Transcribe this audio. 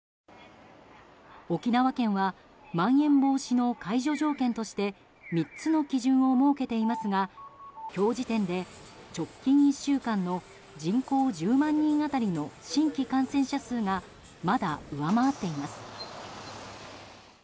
沖縄県はまん延防止の解除条件として３つの基準を設けていますが今日時点で、直近１週間の人口１０万人当たりの新規感染者数がまだ上回っています。